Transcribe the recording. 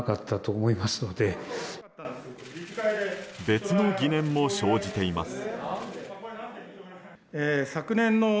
別の疑念も生じています。